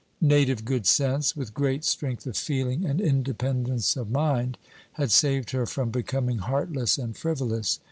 Native good sense, with great strength of feeling and independence of mind, had saved her from becoming heartless and frivolous.